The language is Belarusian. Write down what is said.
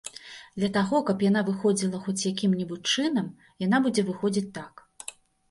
Для таго, каб яна выходзіла хоць якім-небудзь чынам, яна будзе выходзіць так.